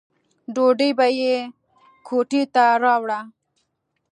ډوډۍ به یې کوټې ته راوړله.